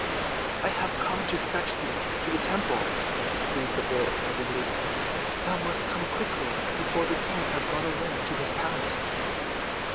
"I have come to fetch thee to the temple," breathed the boy excitedly. "Thou must come quickly, before the King has gone away to his palace."